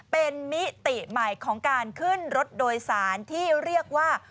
เป็นมิติใหม่ของการขึ้นรถโดยสารที่เรียกว่า